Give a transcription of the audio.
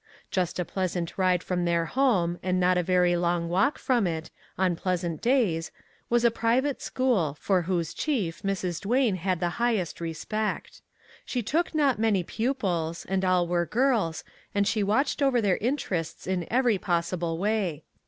Just a pleasant ride from their home, and not a very long walk from it, on pleasant days, was a private school, for whose chief Mrs. Duane had the highest respect. She took not many pupils, and all were girls, and she watched over their interests in. every possible way.